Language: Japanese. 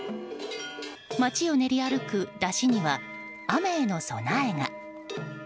街を練り歩く山車には雨への備えが。